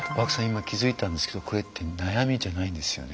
今気付いたんですけどこれって悩みじゃないんですよね。